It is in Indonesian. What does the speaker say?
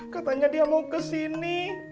katanya dia mau ke sini